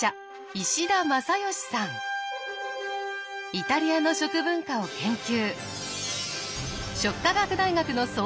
イタリアの食文化を研究。